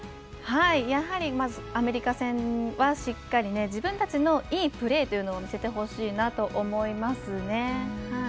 やはりまずアメリカ戦はしっかり自分たちのいいプレーというのを見せてほしいなと思いますね。